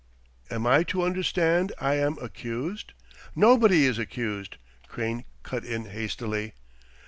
"Am I to understand I am accused?" "Nobody is accused," Crane cut in hastily.